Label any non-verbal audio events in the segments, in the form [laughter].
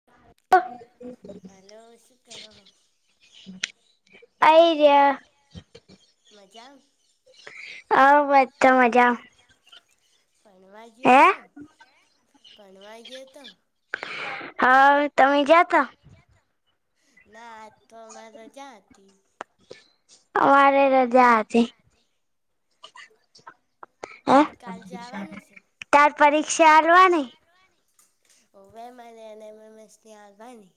[inaudible] આઈ રહ્યા મજા હ બ તો મજા પણવા ગયોતો પણવા ગયોતો હા તમે ગ્યાતા? ના આજ તો અમારે રજા હતી. અમારે રજા હતી. હ ત પરરીક્ષા હલવા નહી [unintelligible] ઓવે માને મસ્તી હાલ ભની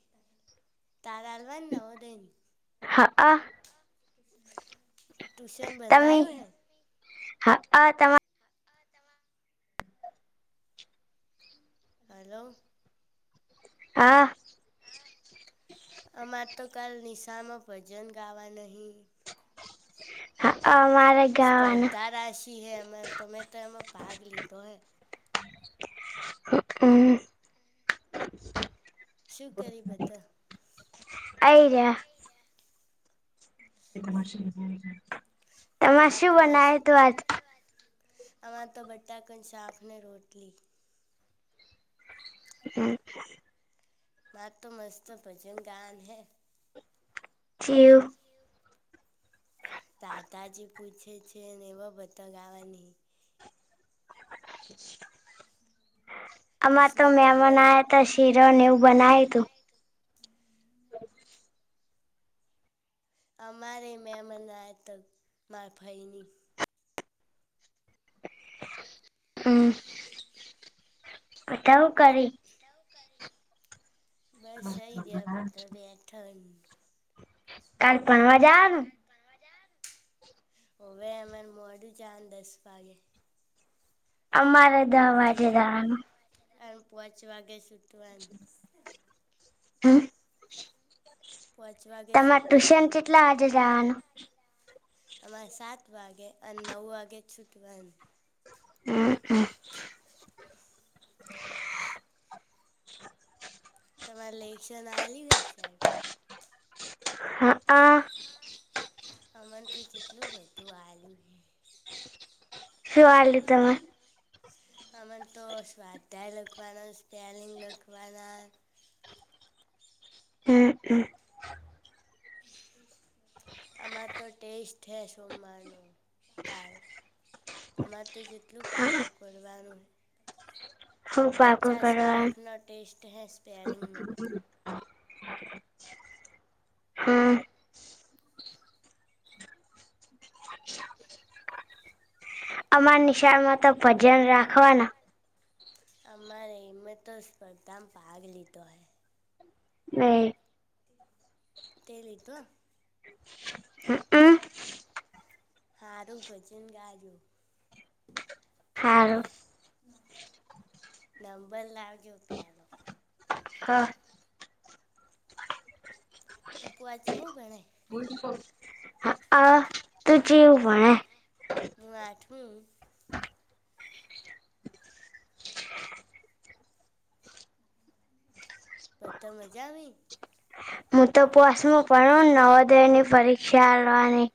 તાારાલ બ ન હો દઈન હા આ ટ્યુશન બંધાયું હે હા આ ત હેલો હા હા અમારે તો કાલ નિશાળમાં ભજન ગાવાના હી હા અ મારે ગાવાના કરરાશી હે એમાં તમે તો એમાં ભાગ લીધો હૈ હ શું કરી બધા? આઈ રહ્યા. એના શ [inaudible] મા ત શુ બનાવ્યુ તુ અમારે તો બટાકન શાકને રોટલી હમ મા તો મસ્ત ભજન ગાવાના હૈ જીવ થું તાતાજી પૂછે છે ને એવા બતગાવાની આમા તો મેમાન આયાતા શીરોને એવું બનાય તું અમારે મેમાન આયાતા મારા ફઈ નેઈ હમટવું કરી [unintelligible] છટઉ કરીરી [unintelligible] બસ સઈ જયા બધા બેઠા ઓવે અમારે મોડુ જાવાનુ દસ વાગે અમારે દસ વાગે જાવાનું અને પોચ વાગે સુધી હમ પચ વાગે સુટવાનું તમારે ટ્યુશન અમારે સાત વાગે અને નવ વાગે છૂટ વાનુ હમ હમ [inaudible] તમારે લેશન આલી હે સાહેબ હા આ અમને તું કેટલું બધુ આલ્યું હે. શુંવા તમે આમાં તો સ્વાધ્યાય લખવાના, સ્પેલિંગ લખવાના, અમાર તો ટેસ્ટ હે સોમવારનું કાલ અમારે તો જેટલું પાકો કરવાનું પચાસ માર્કનો ટેસ્ટ હે સ્પેલિંગનો હ હ હા અમારા નિશાળ માં તો ભજન રાખવાના અમારે એમતો સ્પર્ધામાં ભાગ લીધો હે નયી તે લીધો હારું ભજન ગાયું. હરૂ નંબર લાવજો પેલો તુંપવાચ હું ગણાય માઠું બ તો મજા આવી? હું તો પોસમાં પણ નવોદયની પરીક્ષા કરવાવાની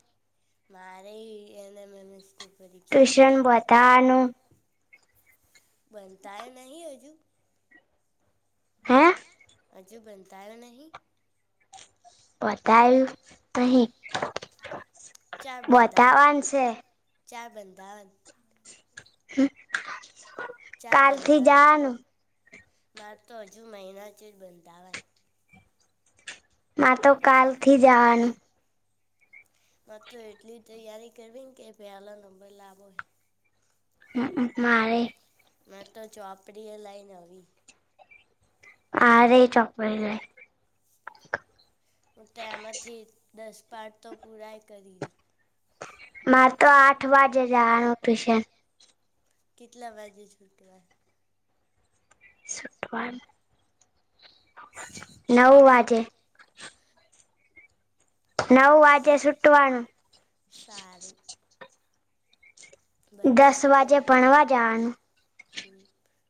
મારે એને મ ટ્યુશન બતાવાનું બનતાય નહી હજુ હજુ બનતાાર નહી બતાયું નહી બતાવાનું છે. ચારબંધા કાલ થી જાવાનું માર તો હજુ મહિના જ જ બંધાવાય મા તો કાલ થી જવાનું મા તો એટલી તૈયારી કરવી ને કે પેલા નંબર લાભોય મારે મે તો ચોપરી લ નવી આરે ચોકડી લઈ હું તે્યામાંથી દસ પાઠ તો પૂરાય કરી ર મારે તો આઠ વાગે જવાનું ટ્યુશન કેટલા બાજે છૂટવા શકવાની નવ વાજે નવ વાગ્ય સુટવાનું સારું બધ શું કર હ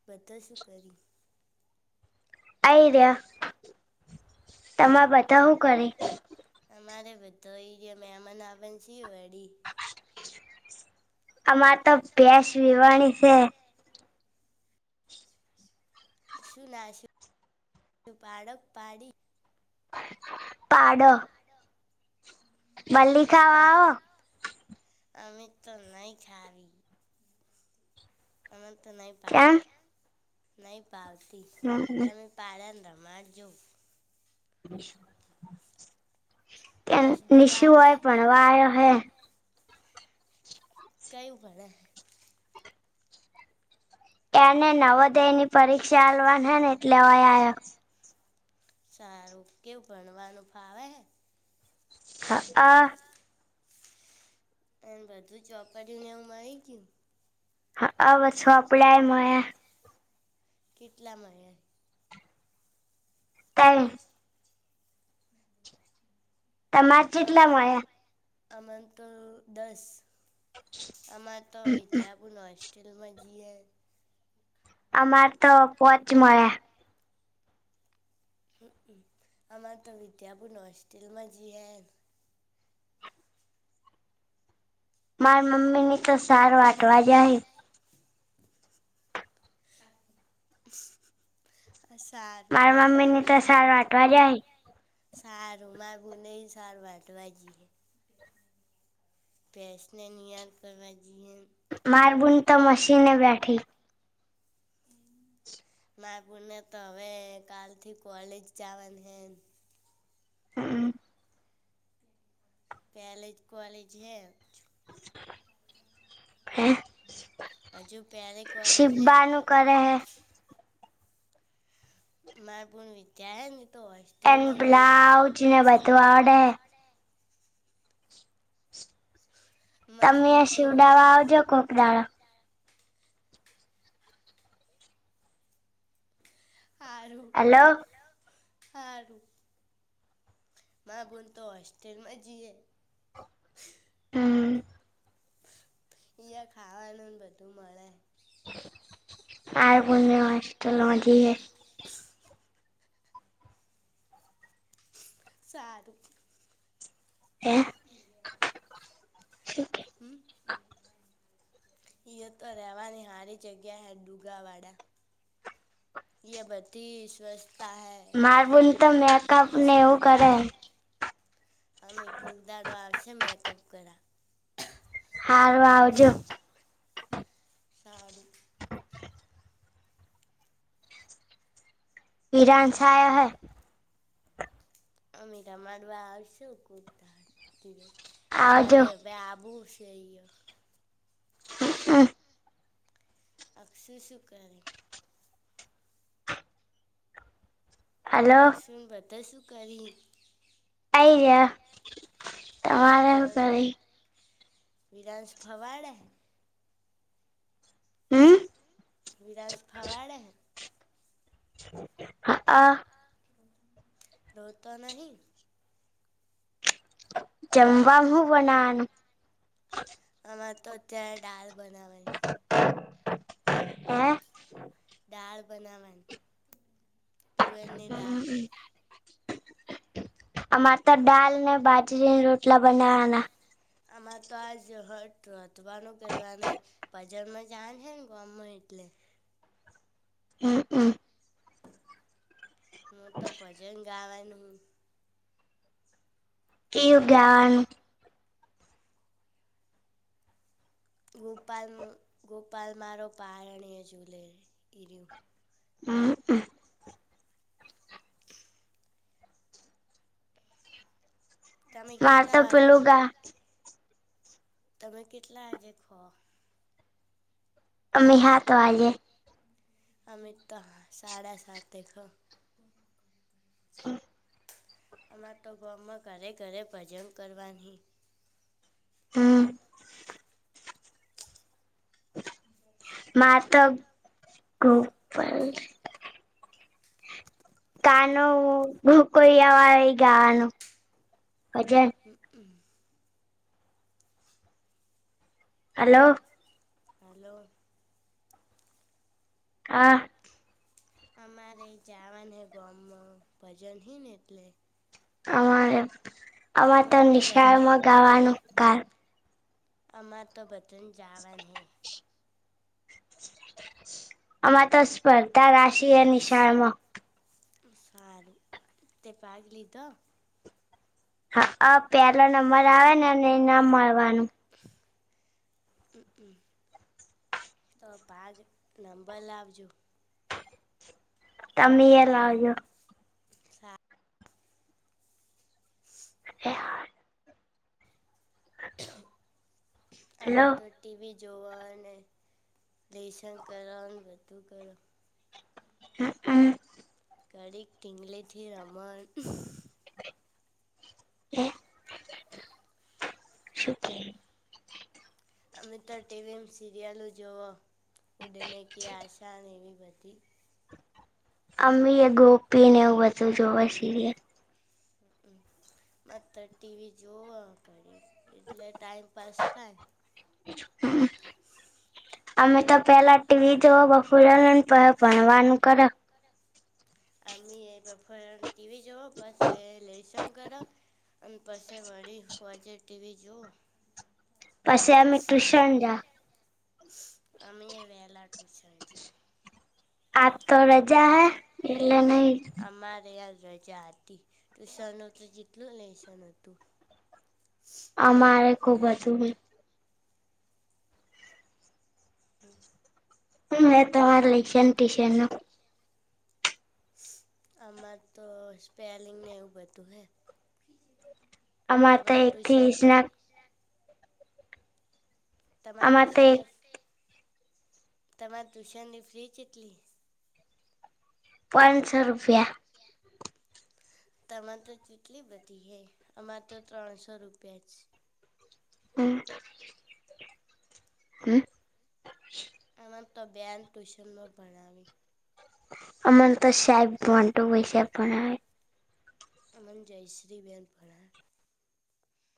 બધ શું કરી આઈ રહ્યા તમામે બધા શું કરી અમારે બધો ઈ જ મમન આપન છ વડી અમારે તો ભેસ વિીવાણી છે શું નાશ પાડક પાડી પાડ ઉપ ઉપાર અમેિત તો નહી ખાવી અમે તો નહીં પાવતા નહીં પાવતી તો અમે પાદાને રમા જો ત્યા નિશું હોય ભણવા આવ હે કયું ભણે એને નવોદયની પરીક્ષા હાલવાન હે ને એટલે હ સારું કેવું ભણવાનું ફાવે હે હા આ એ બધું ચોપડ્યું ને એવું મારી ગયું હા આ બછોપડ મ કેટલામાં- તલ અમા અમંત દસ આમાં તો વિદ્યાપુ હોસ્ટેલમાં જીએ અમારે તો પોચ મળે. હમ અમારે તો વિદ્યાપુર હોસ્ટલમાં જ હ. મારા મમ્મી ની તો સાર વાટવા જે છે. હા. આ સાાર. મારા મમ્મી ની તો સાડ વાટવા લ. સારું માઘું ન સાર બાટવાજી ફસને નિહાર કરવાવા જઈને. માારબૂન તો મશીને બેઠી. હમ. મારપબૂનને તો હવે કાલથી કોલેજ જવાની હે. હમ. કલેજ કોલેજ હે. [inaudible] હજુ પેલી કોલેજ હૈ. કર હ. મારે પણ વિચાર ન તો હોય. એન ભલાવજ ને બધું આવડે. મળડા. મારબૂન તો. કોકડાળ. હું હું. મારબૂન તો હોસ્ટેલમાંજી એ. હમ. અહીયા ખાવાનુંને બધું મળે. આ બને વા તો મજી હ. સારું. હ. [inaudible] હમ. અહીયા તો રહેવાની હારી જગ્યા હૈ ડુગાવાડા. બતી સ્વસ્થતા હૈ. સુુવિધા. અમે કૂકદાડો આવશે મેકઅપ કર. હાર વા આવજો. સાારું. હીરાન છા હૈ. અમી તમાર બારશું કદતા અમારે. બબુષ. હ. અક્ષક્ષી શુકરે અક્ષુ બધા શું કરી. અઈ રહ્યા. એ વિધાનશ ફવાડે. હમ. વિરાશ ખવાડ હ. આ. રોતો નહી. જમવા હું બનાવાનુ આમાંરે તો અત્યારે દાળ બનાવા છે. હ દાળ બનાાવની તુઅરની દાળ આ માતા દાલ ને બાજરી રોટલા બનાવાના આમાં તો આજ હટ રાધવાનું કરવા બજારમાં જાન છેે ને ગામમાં એટલે હમ હમ હું તો ભજન ગાવાનું યોગાન ગોપાલમાં ગોપાલ મારોો પારણી ઝૂલે એું હ [inaudible] તમે કેટલા વાગ્યું તમે કેટલા જેેખો અમે હાત વાગે અમે તો શાળા સાત એ અરા તો ગમાં ઘરે ઘરે ભજન કરવા નહ હમ માતા ગોપલ કાનો ગોકુળિયા વાળો એ ગાવાનું ભજન હમ હમ હલો હલો હા અમારે જવાને ગોમમાં ભજન હિ ને એટલે અમારે અમારે તો નિશાળમાં ગાવાનું કાર અમાર તો ભજન જવાન હૈ આમાં તો સ્પર્ધા રાશી એ નિશાળમાં સારું તે ભાગ લીધો હા અ પેલો નંબર આવે ને અને ઇનામ મળવાનું હમ હ તો ભાગ નંબર લાવજો તમે એ લાવજો એહા અમે તો ટીવી જોવા અને લેસન કરવાનું બધું કર્યું હમ હમ ઘાડી ટિીંગલીથીર અમાર હ શું કે અમે તો ટીવીમ સિરિયલું જોઓ ઉડેને કે આશા એવી બધી અમ્મી એ ગોપી ને એવું બધું જોવા સિરિયલ હ બસ તાર ટીવી જોવા કરી એટલે ટાઈમ પાાસ થાય [inaudible] અમે તો પેલા ટીવી જોવ બફોરેને પ ભણવાનું કરે આમે એફર ટીવી જોવ પાછ લસન કરો અ પાસેવાળી ફજ ટીવી જોવ પસ્યામે ટ્યૂશણ જા અમે વેલા ટુશન છે આ તો રજા હૈ એટલે નહિ અમારેં રજા હતી ટુશન તો જેટલું લેશન હતું [unintelligible] અમારે ખુબ હતું એમ છે હું આયુ તમાર ઈશન ટ્યુશન આમાં તો સ્પેલિંગને એવું બધું હૈ અમારે તો એક થી વીસ ન તમારે ટ્યુશનની તમારે ટ્યુશન ની ફી કેટલી પાંસો રૂપિયા તમામે તો કેટલી બધી હૈ આમાં તો ત્રણસો રૂપિયા જ હમ્મ હમ્મ અમન તો બેન ટ્યુશનમાં ભણાવી અમને તો સાહેબ વાટું હોય છે પણ આવે અમન જયશ્રીબેન ભણાવે